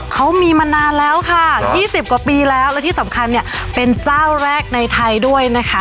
เขามีมานานแล้วค่ะ๒๐กว่าปีแล้วและที่สำคัญเนี่ยเป็นเจ้าแรกในไทยด้วยนะคะ